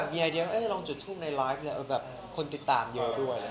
มีไฮเดียวลองจุดทุบในไลฟ์คนติดตามเยอะด้วย